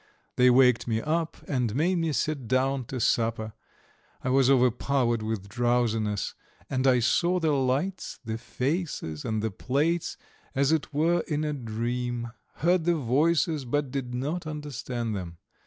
They waked me up and made me sit down to supper; I was overpowered with drowsiness and I saw the lights, the faces, and the plates as it were in a dream, heard the voices, but did not understand them.